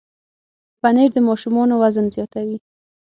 پنېر د ماشومانو وزن زیاتوي.